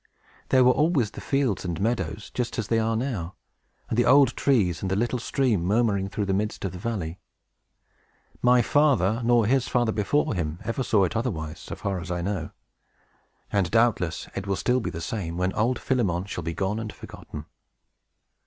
There were always the fields and meadows, just as they are now, and the old trees, and the little stream murmuring through the midst of the valley. My father, nor his father before him, ever saw it otherwise, so far as I know; and doubtless it will still be the same, when old Philemon shall be gone and forgotten!"